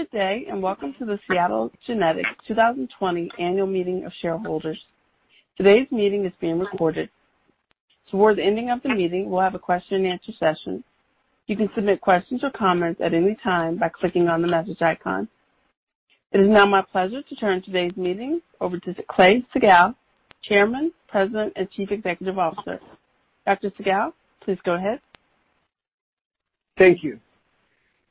Good day, and welcome to the Seagen 2020 Annual Meeting of Shareholders. Today's meeting is being recorded. Towards the ending of the meeting, we'll have a question and answer session. You can submit questions or comments at any time by clicking on the message icon. It is now my pleasure to turn today's meeting over to Clay Siegall, Chairman, President, and Chief Executive Officer. Dr. Siegall, please go ahead. Thank you.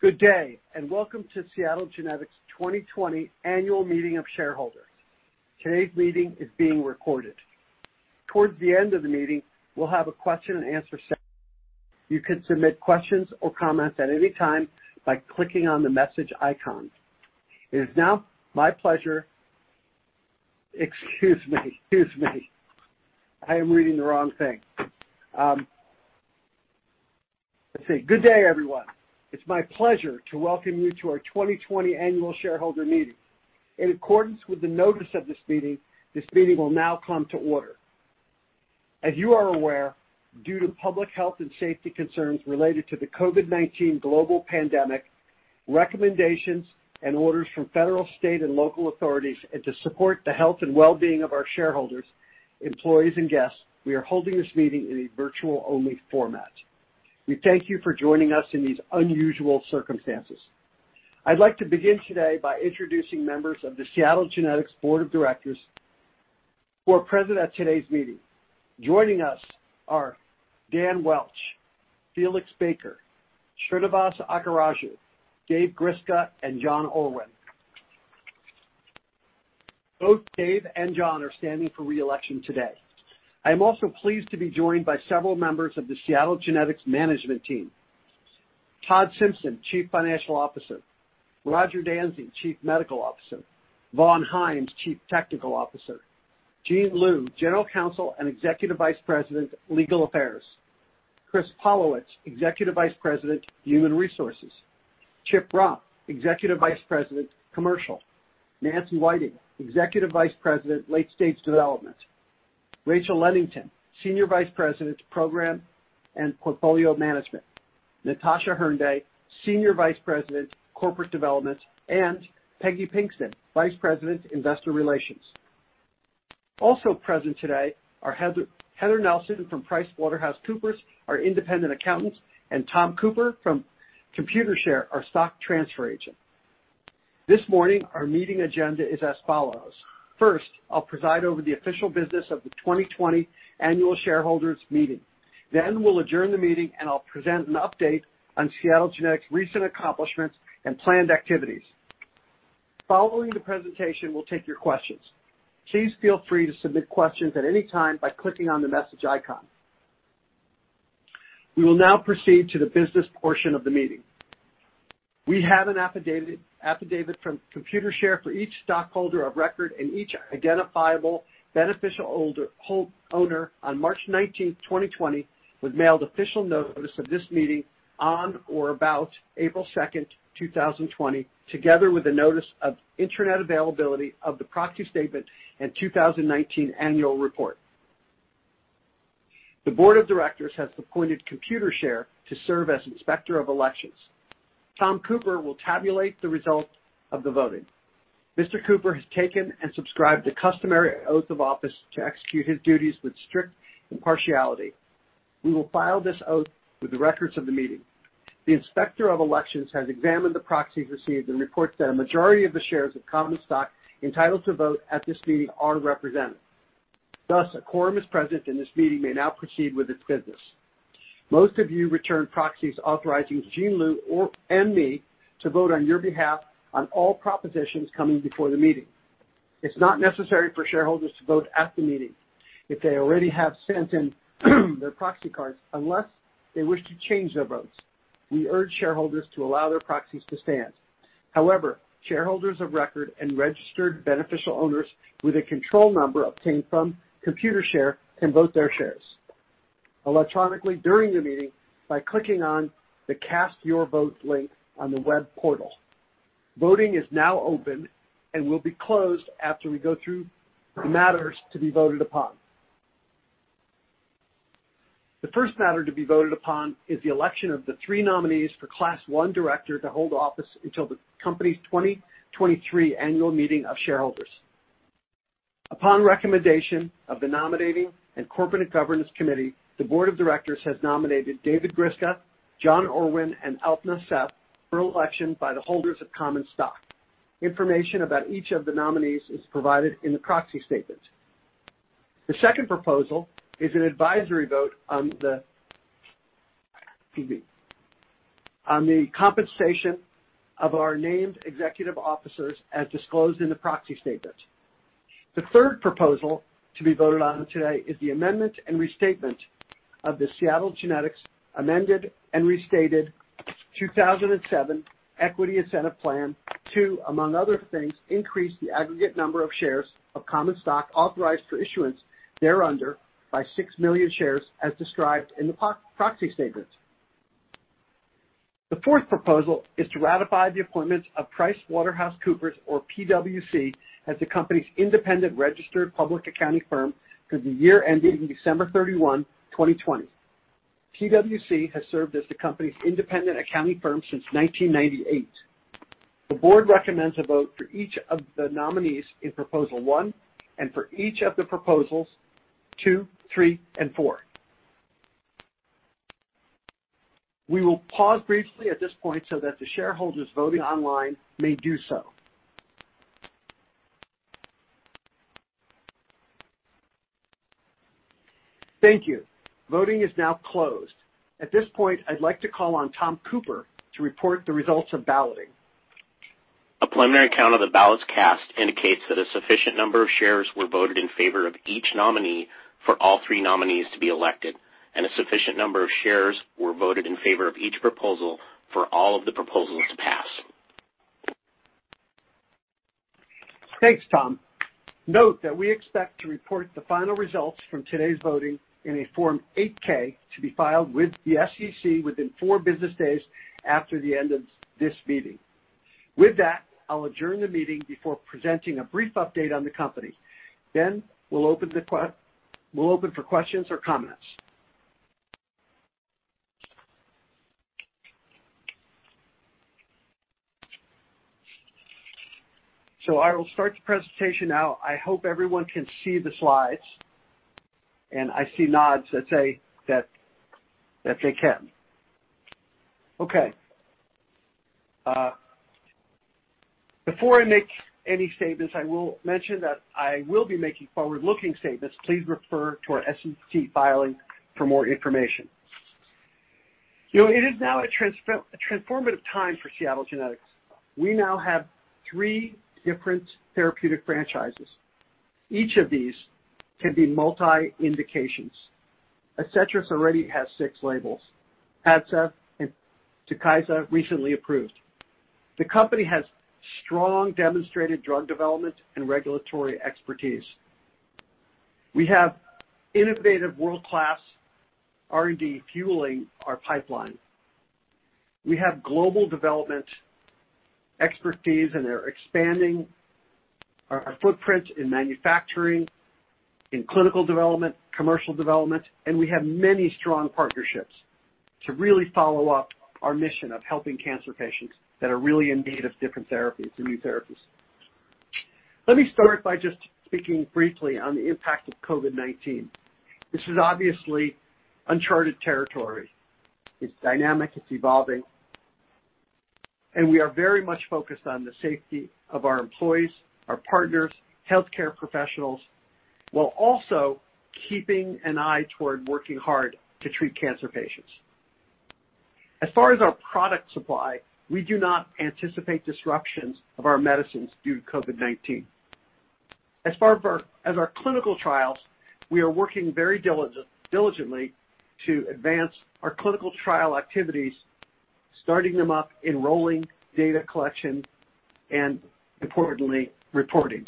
Good day, welcome to Seattle Genetics 2020 Annual Meeting of Shareholders. Today's meeting is being recorded. Towards the end of the meeting, we'll have a question and answer session. You can submit questions or comments at any time by clicking on the message icon. It is now my pleasure-- Excuse me. I am reading the wrong thing. Let's see. Good day, everyone. It's my pleasure to welcome you to our 2020 Annual Shareholder Meeting. In accordance with the notice of this meeting, this meeting will now come to order. As you are aware, due to public health and safety concerns related to the COVID-19 global pandemic, recommendations and orders from federal, state, and local authorities, to support the health and wellbeing of our shareholders, employees, and guests, we are holding this meeting in a virtual-only format. We thank you for joining us in these unusual circumstances. I'd like to begin today by introducing members of the Seagen Board of Directors who are present at today's meeting. Joining us are Dan Welch, Felix Baker, Srinivas Akkaraju, David Gryska, and John Orwin. Both David and John are standing for re-election today. I am also pleased to be joined by several members of the Seagen management team. Todd Simpson, Chief Financial Officer, Roger Dansey, Chief Medical Officer, Vaughn Himes, Chief Technical Officer, Jean Liu, General Counsel and Executive Vice President, Legal Affairs, Chris Pawlewicz, Executive Vice President, Human Resources, Charles Romp, Executive Vice President, Commercial U.S., Nancy Whiting, Executive Vice President, Late Stage Development, Rachel Lenington, Senior Vice President of Program and Portfolio Management, Natasha Hernday, Chief Business Officer, and Peggy Pinkston, Vice President, Investor Relations. Also present today are Heather Nelson from PricewaterhouseCoopers, our independent accountants, and Tom Cooper from Computershare, our stock transfer agent. This morning, our meeting agenda is as follows. First, I'll preside over the official business of the 2020 annual shareholders meeting. We'll adjourn the meeting, and I'll present an update on Seagen's recent accomplishments and planned activities. Following the presentation, we'll take your questions. Please feel free to submit questions at any time by clicking on the message icon. We will now proceed to the business portion of the meeting. We have an affidavit from Computershare for each stockholder of record, and each identifiable beneficial owner on March 19th, 2020, was mailed official notice of this meeting on or about April 2nd, 2020, together with a notice of internet availability of the proxy statement and 2019 annual report. The board of directors has appointed Computershare to serve as inspector of elections. Tom Cooper will tabulate the result of the voting. Mr. Cooper has taken and subscribed the customary oath of office to execute his duties with strict impartiality. We will file this oath with the records of the meeting. The inspector of elections has examined the proxies received and reports that a majority of the shares of common stock entitled to vote at this meeting are represented. Thus, a quorum is present, and this meeting may now proceed with its business. Most of you returned proxies authorizing Jean Liu and me to vote on your behalf on all propositions coming before the meeting. It's not necessary for shareholders to vote at the meeting if they already have sent in their proxy cards, unless they wish to change their votes. We urge shareholders to allow their proxies to stand. However, shareholders of record and registered beneficial owners with a control number obtained from Computershare can vote their shares electronically during the meeting by clicking on the Cast Your Vote link on the web portal. Voting is now open and will be closed after we go through the matters to be voted upon. The first matter to be voted upon is the election of the three nominees for Class 1 director to hold office until the company's 2023 annual meeting of shareholders. Upon recommendation of the Nominating and Corporate Governance Committee, the board of directors has nominated David Gryska, John Orwin, and Alpna Seth for election by the holders of common stock. Information about each of the nominees is provided in the proxy statement. The second proposal is an advisory vote on the compensation of our named executive officers as disclosed in the proxy statement. The third proposal to be voted on today is the amendment and restatement of the Seattle Genetics amended and restated 2007 equity incentive plan to, among other things, increase the aggregate number of shares of common stock authorized for issuance thereunder by 6 million shares as described in the proxy statement. The fourth proposal is to ratify the appointments of PricewaterhouseCoopers, or PwC, as the company's independent registered public accounting firm for the year ending December 31, 2020. PwC has served as the company's independent accounting firm since 1998. The board recommends a vote for each of the nominees in proposal one and for each of the proposals two, three, and four. We will pause briefly at this point so that the shareholders voting online may do so. Thank you. Voting is now closed. At this point, I'd like to call on Tom Cooper to report the results of balloting. A preliminary count of the ballots cast indicates that a sufficient number of shares were voted in favor of each nominee for all three nominees to be elected, and a sufficient number of shares were voted in favor of each proposal for all of the proposals to pass. Thanks, Tom. Note that we expect to report the final results from today's voting in a Form 8-K to be filed with the SEC within four business days after the end of this meeting. I'll adjourn the meeting before presenting a brief update on the company. We'll open for questions or comments. I will start the presentation now. I hope everyone can see the slides, and I see nods that say that they can. Okay. Before I make any statements, I will mention that I will be making forward-looking statements. Please refer to our SEC filing for more information. It is now a transformative time for Seagen. We now have three different therapeutic franchises. Each of these can be multi-indications. ADCETRIS already has six labels. PADCEV and TUKYSA recently approved. The company has strong demonstrated drug development and regulatory expertise. We have innovative world-class R&D fueling our pipeline. We have global development expertise, and are expanding our footprint in manufacturing, in clinical development, commercial development, and we have many strong partnerships to really follow up our mission of helping cancer patients that are really in need of different therapies and new therapies. Let me start by just speaking briefly on the impact of COVID-19. This is obviously uncharted territory. It's dynamic, it's evolving, and we are very much focused on the safety of our employees, our partners, healthcare professionals, while also keeping an eye toward working hard to treat cancer patients. As far as our product supply, we do not anticipate disruptions of our medicines due to COVID-19. As far as our clinical trials, we are working very diligently to advance our clinical trial activities, starting them up, enrolling data collection, and importantly, reporting.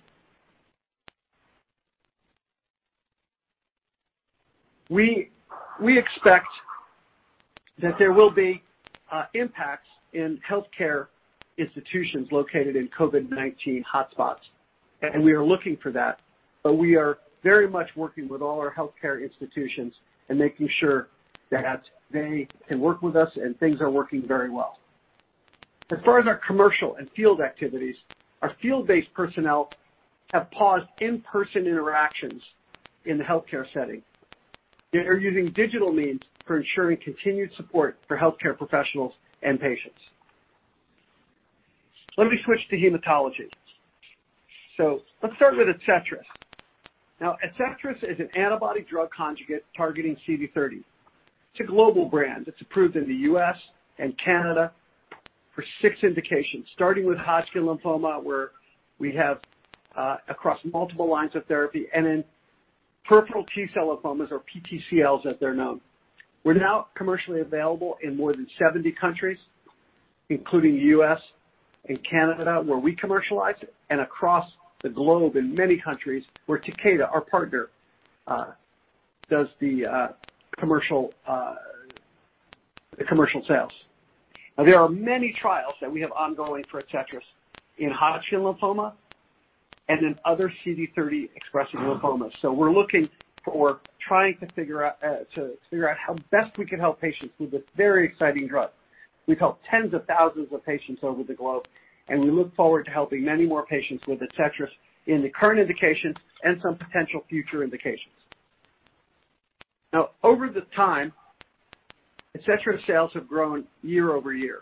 We expect that there will be impacts in healthcare institutions located in COVID-19 hotspots, and we are looking for that, but we are very much working with all our healthcare institutions and making sure that they can work with us, and things are working very well. As far as our commercial and field activities, our field-based personnel have paused in-person interactions in the healthcare setting, and are using digital means for ensuring continued support for healthcare professionals and patients. Let me switch to hematology. Let's start with ADCETRIS. Now, ADCETRIS is an antibody-drug conjugate targeting CD30. It's a global brand that's approved in the U.S. and Canada for 6 indications, starting with Hodgkin lymphoma, where we have across multiple lines of therapy, and in peripheral T-cell lymphomas or PTCLs, as they're known. We're now commercially available in more than 70 countries, including the U.S. and Canada, where we commercialize it, and across the globe in many countries where Takeda, our partner, does the commercial sales. There are many trials that we have ongoing for ADCETRIS in Hodgkin lymphoma and in other CD30-expressing lymphomas. We're trying to figure out how best we can help patients with this very exciting drug. We've helped tens of thousands of patients over the globe, and we look forward to helping many more patients with ADCETRIS in the current indications and some potential future indications. Over the time, ADCETRIS sales have grown year-over-year.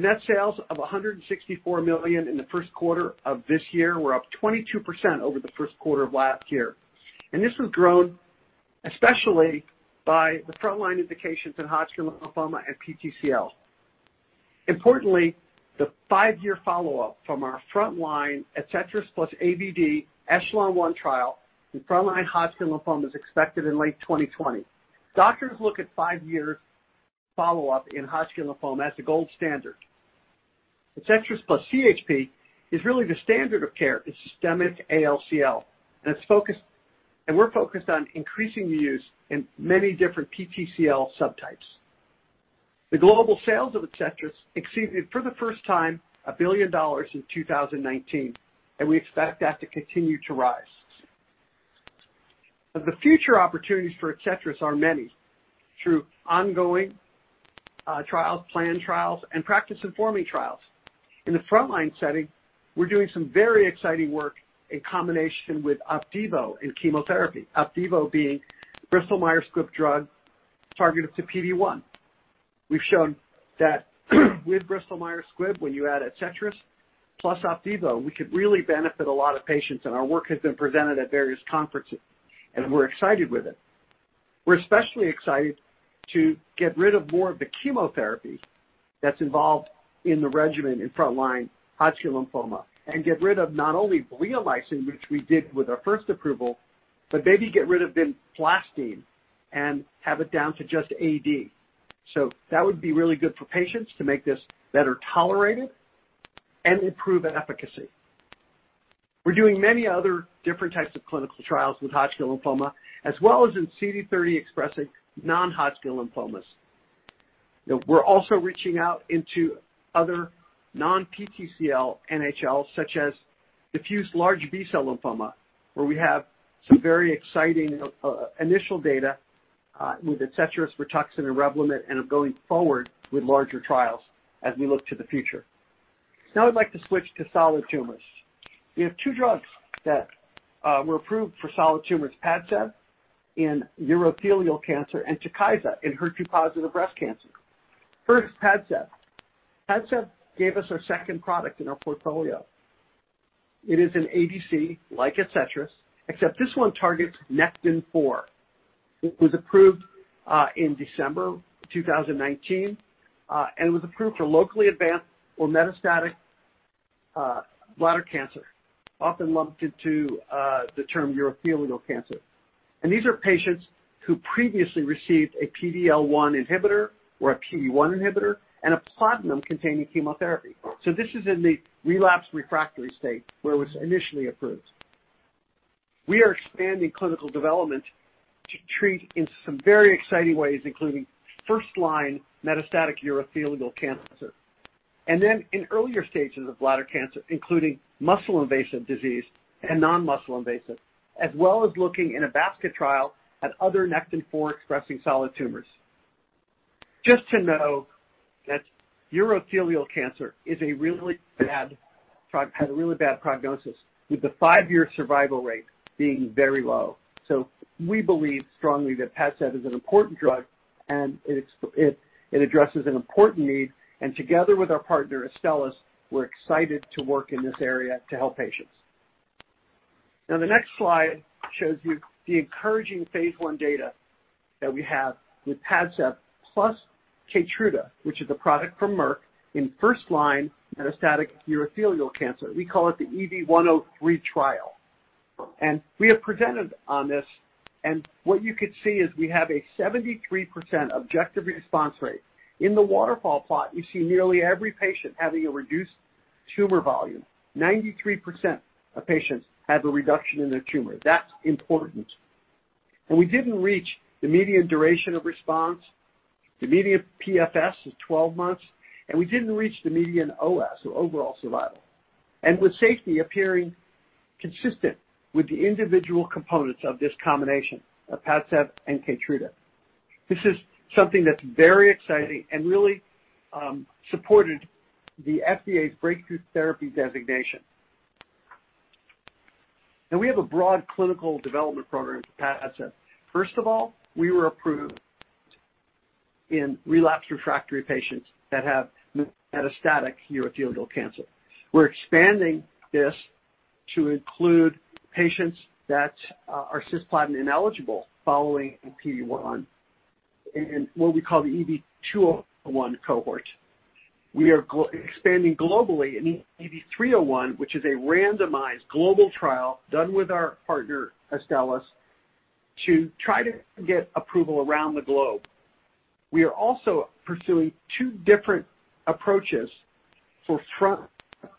The net sales of $164 million in the first quarter of this year were up 22% over the first quarter of last year, and this was grown especially by the frontline indications in Hodgkin lymphoma and PTCL. Importantly, the 5-year follow-up from our frontline ADCETRIS plus AVD ECHELON-1 trial in frontline Hodgkin lymphoma is expected in late 2020. Doctors look at 5-year follow-up in Hodgkin lymphoma as the gold standard. ADCETRIS plus CHP is really the standard of care. It's systemic ALCL, and we're focused on increasing the use in many different PTCL subtypes. The global sales of ADCETRIS exceeded, for the first time, $1 billion in 2019, and we expect that to continue to rise. The future opportunities for ADCETRIS are many through ongoing trials, planned trials, and practice informing trials. In the frontline setting, we're doing some very exciting work in combination with OPDIVO and chemotherapy, OPDIVO being Bristol Myers Squibb drug targeted to PD-1. We've shown that with Bristol Myers Squibb, when you add ADCETRIS plus OPDIVO, we could really benefit a lot of patients, and our work has been presented at various conferences, and we're excited with it. We're especially excited to get rid of more of the chemotherapy that's involved in the regimen in front line Hodgkin lymphoma and get rid of not only bleomycin, which we did with our first approval, but maybe get rid of vinblastine and have it down to just AD. That would be really good for patients to make this better tolerated and improve efficacy. We're doing many other different types of clinical trials with Hodgkin lymphoma as well as in CD30-expressing non-Hodgkin lymphomas. We're also reaching out into other non-PTCL NHLs, such as diffuse large B-cell lymphoma, where we have some very exciting initial data with ADCETRIS, RITUXAN, and REVLIMID and are going forward with larger trials as we look to the future. I'd like to switch to solid tumors. We have two drugs that were approved for solid tumors, PADCEV in urothelial cancer and TUKYSA in HER2-positive breast cancer. First, PADCEV. PADCEV gave us our second product in our portfolio. It is an ADC like ADCETRIS, except this one targets Nectin-4. It was approved in December 2019 and was approved for locally advanced or metastatic bladder cancer, often lumped into the term urothelial cancer. These are patients who previously received a PD-L1 inhibitor or a PD-1 inhibitor and a platinum-containing chemotherapy. This is in the relapsed/refractory state where it was initially approved. We are expanding clinical development to treat in some very exciting ways, including first-line metastatic urothelial cancer. In earlier stages of bladder cancer, including muscle-invasive disease and non-muscle invasive, as well as looking in a basket trial at other Nectin-4-expressing solid tumors. Just to know that urothelial cancer has a really bad prognosis, with the five-year survival rate being very low. We believe strongly that PADCEV is an important drug, and it addresses an important need, and together with our partner Astellas, we're excited to work in this area to help patients. The next slide shows you the encouraging phase I data that we have with PADCEV plus KEYTRUDA, which is a product from Merck in first-line metastatic urothelial cancer. We call it the EV103 trial. We have presented on this, and what you could see is we have a 73% objective response rate. In the waterfall plot, you see nearly every patient having a reduced tumor volume. 93% of patients have a reduction in their tumor. That's important. We didn't reach the median duration of response. The median PFS is 12 months, and we didn't reach the median OS, so overall survival. With safety appearing consistent with the individual components of this combination of PADCEV and KEYTRUDA. This is something that's very exciting and really supported the FDA's breakthrough therapy designation. Now we have a broad clinical development program for PADCEV. First of all, we were approved in relapsed refractory patients that have metastatic urothelial cancer. We're expanding this to include patients that are cisplatin-ineligible following a PD-1 in what we call the EV201 cohort. We are expanding globally in EV301, which is a randomized global trial done with our partner Astellas to try to get approval around the globe. We are also pursuing two different approaches for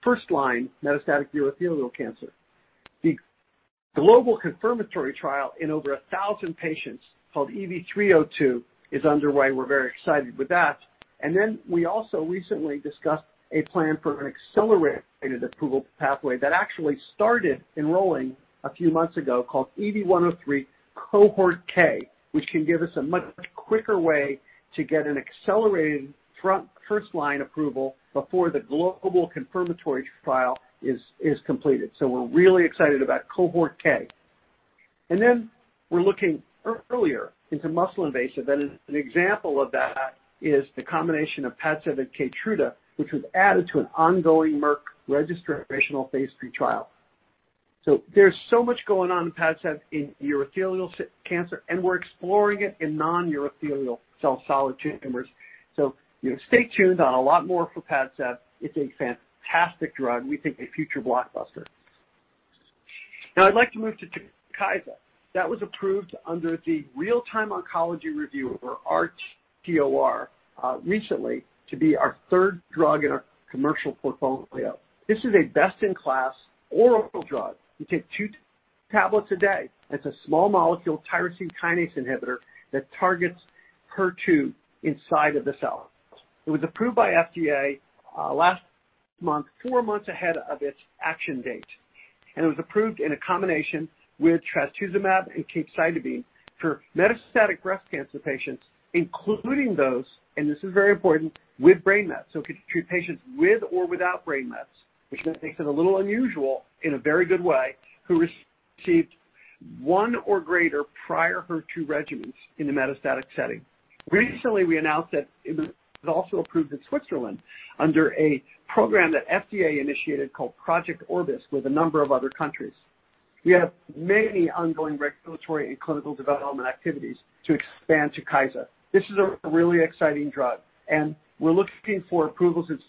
first-line metastatic urothelial cancer. The global confirmatory trial in over 1,000 patients called EV302 is underway. We're very excited with that. We also recently discussed a plan for an accelerated approval pathway that actually started enrolling a few months ago called EV103 cohort K, which can give us a much quicker way to get an accelerated first-line approval before the global confirmatory trial is completed. We're really excited about cohort K. We're looking earlier into muscle invasive. An example of that is the combination of PADCEV and KEYTRUDA, which was added to an ongoing Merck registrational phase III trial. There's so much going on in PADCEV in urothelial cancer, and we're exploring it in non-urothelial cell solid tumors. Stay tuned on a lot more for PADCEV. It's a fantastic drug, we think a future blockbuster. I'd like to move to TUKYSA. That was approved under the Real-Time Oncology Review, or RTOR, recently to be our third drug in our commercial portfolio. This is a best-in-class oral drug. You take two tablets a day. It's a small molecule tyrosine kinase inhibitor that targets HER2 inside of the cell. It was approved by FDA last month, four months ahead of its action date. It was approved in a combination with trastuzumab and capecitabine for metastatic breast cancer patients, including those, and this is very important, with brain mets. It could treat patients with or without brain mets, which then makes it a little unusual in a very good way, who received one or greater prior HER2 regimens in the metastatic setting. Recently, we announced that it was also approved in Switzerland under a program that FDA initiated called Project Orbis with a number of other countries. We have many ongoing regulatory and clinical development activities to expand TUKYSA. This is a really exciting drug, and we're looking for approvals in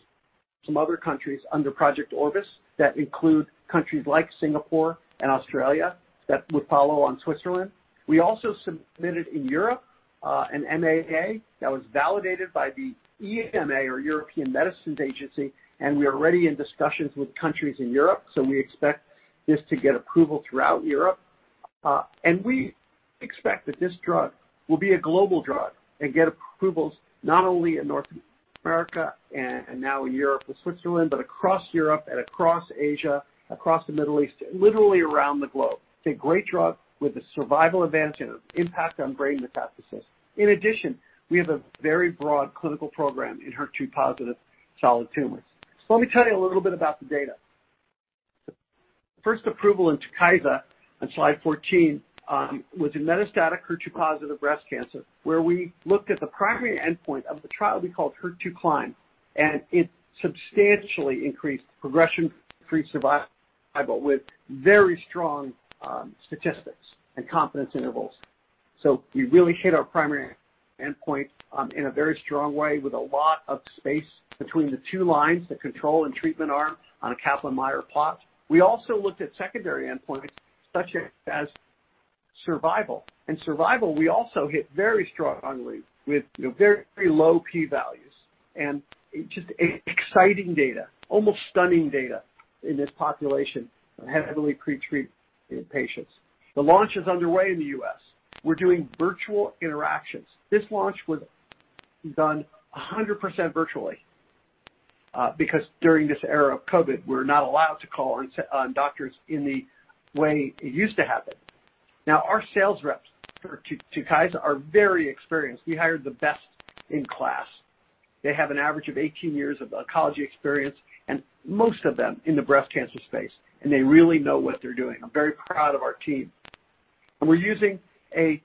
some other countries under Project Orbis that include countries like Singapore and Australia that would follow on Switzerland. We also submitted in Europe an MAA that was validated by the EMA or European Medicines Agency, and we are already in discussions with countries in Europe, so we expect this to get approval throughout Europe. We expect that this drug will be a global drug and get approvals not only in North America and now Europe with Switzerland, but across Europe and across Asia, across the Middle East, literally around the globe. It's a great drug with a survival advantage and an impact on brain metastasis. In addition, we have a very broad clinical program in HER2-positive solid tumors. Let me tell you a little bit about the data. The first approval in TUKYSA on slide 14 was in metastatic HER2-positive breast cancer, where we looked at the primary endpoint of the trial we called HER2CLIMB, and it substantially increased progression-free survival with very strong statistics and confidence intervals. We really hit our primary endpoint in a very strong way with a lot of space between the two lines, the control and treatment arm on a Kaplan-Meier plot. We also looked at secondary endpoints such as survival. In survival, we also hit very strongly with very low P values and just exciting data, almost stunning data in this population of heavily pretreated patients. The launch is underway in the U.S. We're doing virtual interactions. This launch was done 100% virtually, because during this era of COVID-19, we're not allowed to call on doctors in the way it used to happen. Our sales reps for TUKYSA are very experienced. We hired the best in class. They have an average of 18 years of oncology experience, and most of them in the breast cancer space, and they really know what they're doing. I'm very proud of our team. We're using a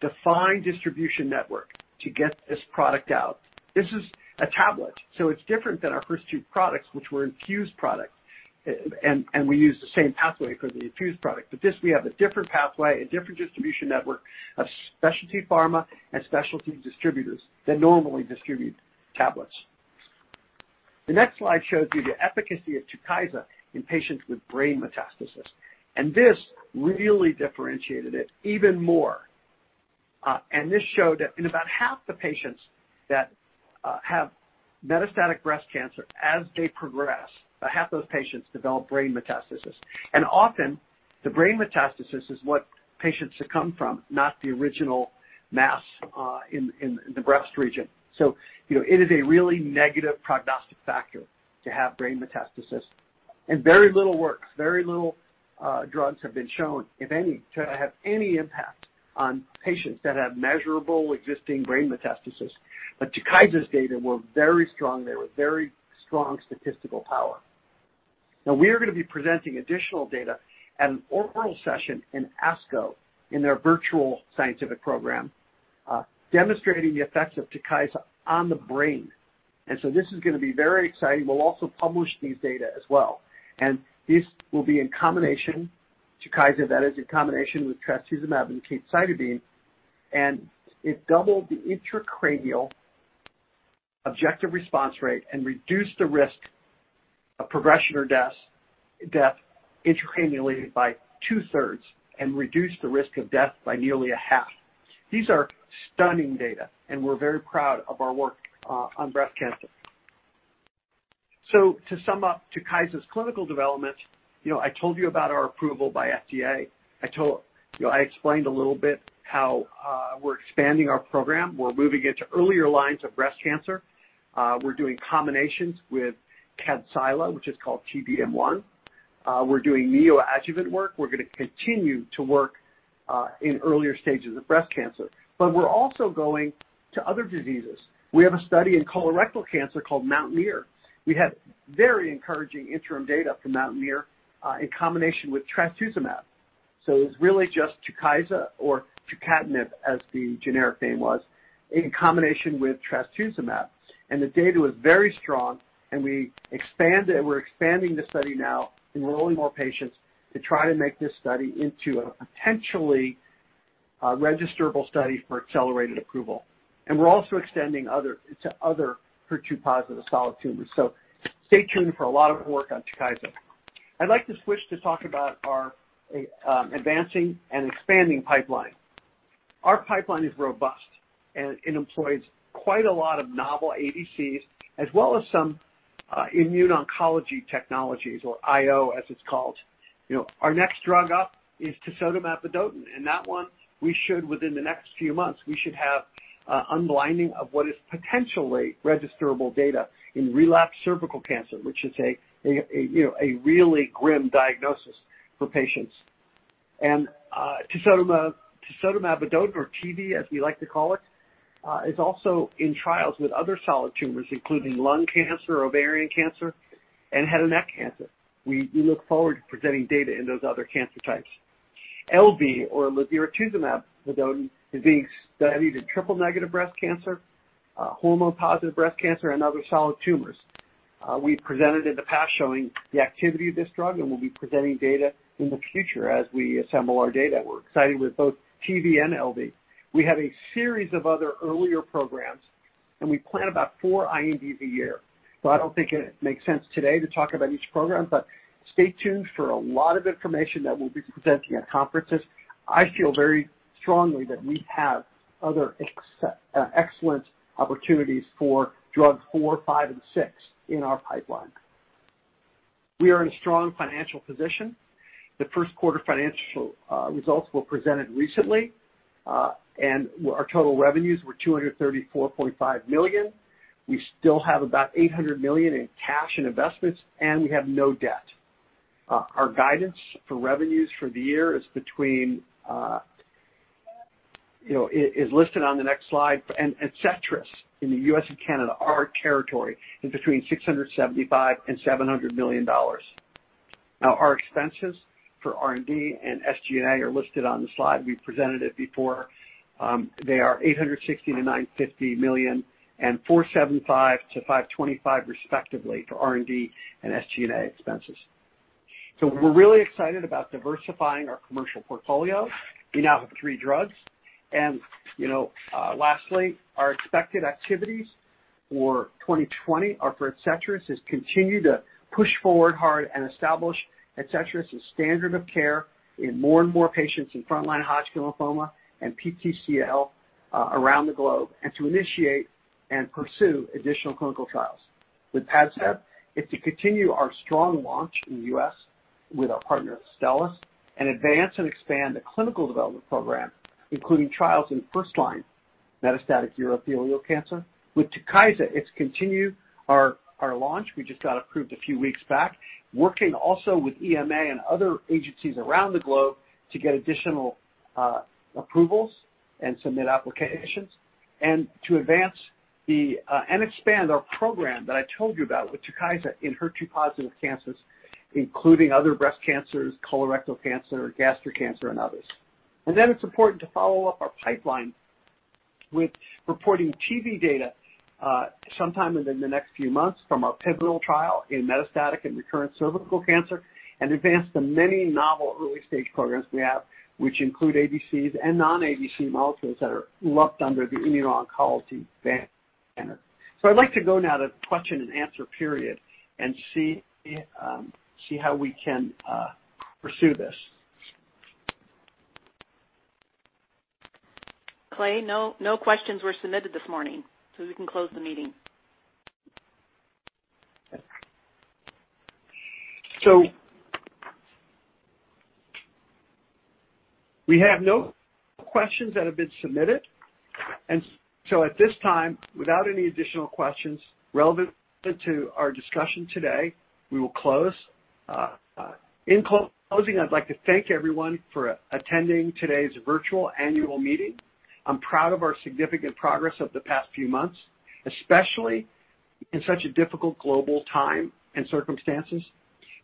defined distribution network to get this product out. This is a tablet, so it's different than our first two products, which were infused products, and we use the same pathway for the infused product. This, we have a different pathway, a different distribution network of specialty pharma and specialty distributors that normally distribute tablets. The next slide shows you the efficacy of TUKYSA in patients with brain metastasis. This really differentiated it even more. This showed that in about half the patients that have metastatic breast cancer as they progress, about half those patients develop brain metastasis. Often the brain metastasis is what patients succumb from, not the original mass in the breast region. It is a really negative prognostic factor to have brain metastasis and very little works, very little drugs have been shown, if any, to have any impact on patients that have measurable existing brain metastasis. TUKYSA's data were very strong. They were very strong statistical power. Now we are going to be presenting additional data at an oral session in ASCO in their virtual scientific program, demonstrating the effects of TUKYSA on the brain. This is going to be very exciting. We'll also publish these data as well. This will be in combination, TUKYSA, that is, in combination with trastuzumab and capecitabine. It doubled the intracranial objective response rate and reduced the risk of progression or death intracranially by two-thirds and reduced the risk of death by nearly a half. These are stunning data. We're very proud of our work on breast cancer. To sum up TUKYSA's clinical development, I told you about our approval by FDA. I explained a little bit how we're expanding our program. We're moving it to earlier lines of breast cancer. We're doing combinations with KADCYLA, which is called T-DM1. We're doing neoadjuvant work. We're going to continue to work in earlier stages of breast cancer. We're also going to other diseases. We have a study in colorectal cancer called MOUNTAINEER. We have very encouraging interim data from MOUNTAINEER in combination with trastuzumab. It's really just TUKYSA or tucatinib, as the generic name was, in combination with trastuzumab. The data was very strong, and we're expanding the study now, enrolling more patients to try to make this study into a potentially registerable study for accelerated approval. We're also extending to other HER2-positive solid tumors. Stay tuned for a lot of work on TUKYSA. I'd like to switch to talk about our advancing and expanding pipeline. Our pipeline is robust, and it employs quite a lot of novel ADCs, as well as some immune oncology technologies, or IO, as it's called. Our next drug up is tisotumab vedotin, and that one, within the next few months, we should have unblinding of what is potentially registerable data in relapsed cervical cancer, which is a really grim diagnosis for patients. Tisotumab vedotin, or TV, as we like to call it, is also in trials with other solid tumors, including lung cancer, ovarian cancer, and head and neck cancer. We look forward to presenting data in those other cancer types. LV, or ladiratuzumab vedotin, is being studied in triple-negative breast cancer, hormone-positive breast cancer, and other solid tumors. We've presented in the past showing the activity of this drug, and we'll be presenting data in the future as we assemble our data, and we're excited with both TV and LV. We have a series of other earlier programs, and we plan about four INDs a year. I don't think it makes sense today to talk about each program, but stay tuned for a lot of information that we'll be presenting at conferences. I feel very strongly that we have other excellent opportunities for drugs four, five, and six in our pipeline. We are in a strong financial position. Our total revenues were $234.5 million. We still have about $800 million in cash and investments, we have no debt. Our guidance for revenues for the year is listed on the next slide, ADCETRIS in the U.S. and Canada, our territory, is between $675 million and $700 million. Our expenses for R&D and SG&A are listed on the slide. We presented it before. They are $860 million-$950 million and $475 million-$525 million respectively for R&D and SG&A expenses. We're really excited about diversifying our commercial portfolio. We now have three drugs and lastly, our expected activities for 2020 are for ADCETRIS is continue to push forward hard and establish ADCETRIS as standard of care in more and more patients in frontline Hodgkin lymphoma and PTCL around the globe and to initiate and pursue additional clinical trials. With PADCEV, it's to continue our strong launch in the U.S. with our partner Astellas and advance and expand the clinical development program, including trials in first-line metastatic urothelial cancer. With TUKYSA, it's continue our launch, we just got approved a few weeks back, working also with EMA and other agencies around the globe to get additional approvals and submit applications and to advance and expand our program that I told you about with TUKYSA in HER2-positive cancers, including other breast cancers, colorectal cancer, gastric cancer, and others. It's important to follow up our pipeline with reporting TV data sometime within the next few months from our pivotal trial in metastatic and recurrent cervical cancer and advance the many novel early-stage programs we have, which include ADCs and non-ADC molecules that are lumped under the immuno-oncology banner. I'd like to go now to question and answer period and see how we can pursue this. Clay, no questions were submitted this morning, so we can close the meeting. We have no questions that have been submitted, and so at this time, without any additional questions relevant to our discussion today, we will close. In closing, I'd like to thank everyone for attending today's virtual annual meeting. I'm proud of our significant progress over the past few months, especially in such a difficult global time and circumstances.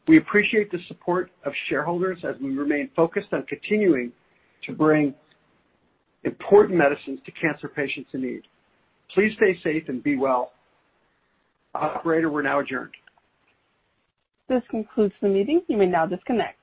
We appreciate the support of shareholders as we remain focused on continuing to bring important medicines to cancer patients in need. Please stay safe and be well. Operator, we're now adjourned. This concludes the meeting. You may now disconnect.